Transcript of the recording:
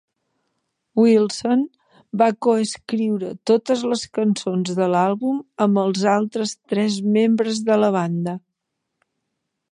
Wilson va coescriure totes les cançons de l'àlbum amb els altres tres membres de la banda.